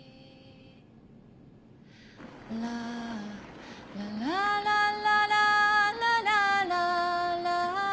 「ラララランララララララララ」